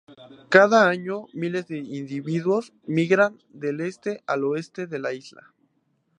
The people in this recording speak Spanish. Cada año, miles de individuos migran del este al oeste de la isla.